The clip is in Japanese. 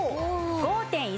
５．１